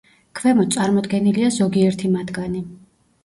ქვემოთ წარმოდგენილია ზოგიერთი მათგანი.